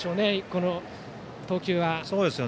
この投球は。